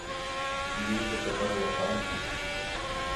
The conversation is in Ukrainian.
Він же тепер не сам.